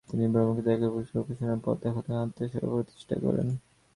তিনি ব্রহ্মনিষ্ঠ একেশ্বর উপাসনার পথ দেখালেন আত্মীয় সভা প্রতিষ্ঠা করে।